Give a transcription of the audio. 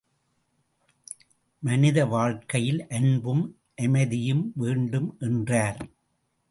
மனித வாழ்க்கையில் அன்பும் அமைதியும் வேண்டும் என்றார்.